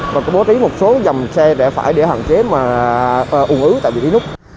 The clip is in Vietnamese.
và có bố trí một số dòng xe phải để hạn chế mà ủng ứ tại vì đi nút